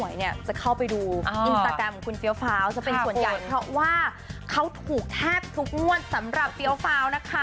เนี่ยจะเข้าไปดูอินสตาแกรมของคุณเฟี้ยวฟ้าวจะเป็นส่วนใหญ่เพราะว่าเขาถูกแทบทุกงวดสำหรับเฟี้ยวฟ้าวนะคะ